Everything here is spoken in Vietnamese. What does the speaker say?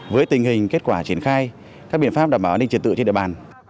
với tình hình kết quả triển khai các biện pháp đảm bảo an ninh trật tự trên địa bàn